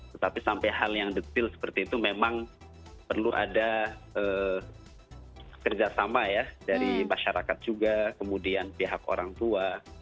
tetapi sampai hal yang detil seperti itu memang perlu ada kerjasama ya dari masyarakat juga kemudian pihak orang tua